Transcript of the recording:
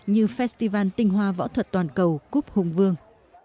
như festival tinh hoa võ thuật toàn cầu cúp hùng vương